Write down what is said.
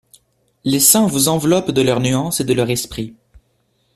Les saints vous enveloppent de leur nuance et de leur esprit.